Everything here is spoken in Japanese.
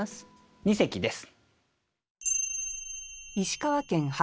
二席です。